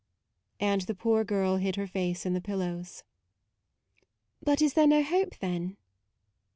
and the poor girl hid her face in the pillows. " But is there no hope, then?"